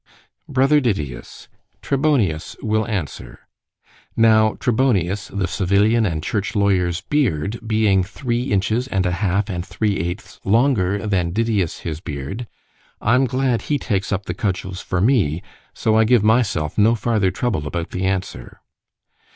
Brother Didius, Tribonius will answer—(now Tribonius the civilian and church lawyer's beard being three inches and a half and three eighths longer than Didius his beard—I'm glad he takes up the cudgels for me, so I give myself no farther trouble about the answer.)